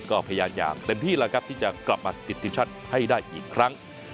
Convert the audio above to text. ก็พยายามอย่างเต็มที่แล้วครับที่จะกลับมาติดทีมชาติให้ได้อีกครั้ง